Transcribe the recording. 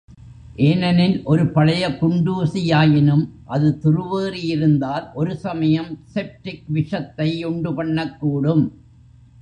ஏனெனில், ஒரு பழைய குண்டூசியாயினும் அது துருவேறியிருந்தால், ஒரு சமயம், செப்டிக் விஷத்தை யுண்டுபண்ணக்கூடும்.